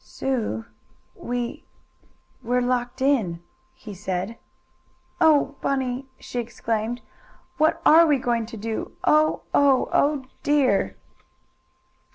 "Sue we we're locked in!" he said. "Oh, Bunny!" she exclaimed. "What are we going to do? Oh! Oh! Oh dear!"